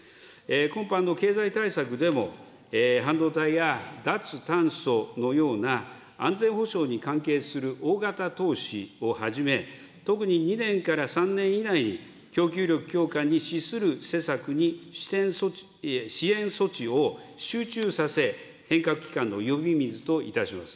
今般の経済対策でも、半導体や脱炭素のような安全保障に関係する大型投資をはじめ、特に２年から３年以内に供給力強化に資する施策に支援措置を集中させ、変革きかんの呼び水といたします。